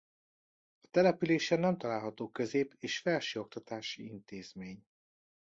A településen nem található közép és felsőoktatási intézmény.